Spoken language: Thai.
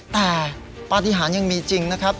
แต่ปฏิหารยังมีจริงนะครับ